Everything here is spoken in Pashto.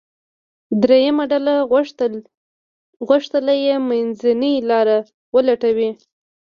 درېیمه ډله غوښتل یې منځنۍ لاره ولټوي.